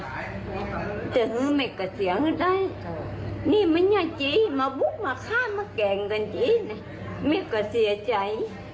เจอไปไม่ก็เสียงได้นี่ไม่เงียบจริงมาบุกมาฆ่ามาแกล้งกันจริงนะไม่ก็เสียใจ